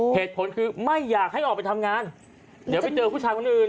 เหตุผลคือไม่อยากให้ออกไปทำงานเดี๋ยวไปเจอผู้ชายคนอื่น